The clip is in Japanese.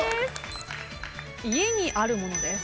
家にあるものです。